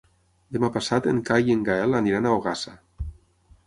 Demà passat en Cai i en Gaël aniran a Ogassa.